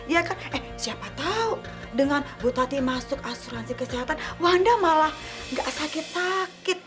ya kan eh siapa tahu dengan bu tati masuk asuransi kesehatan wah anda malah nggak sakit sakit